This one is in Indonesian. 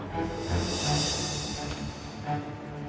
dia nggak mau ketemu lagi sama papa lo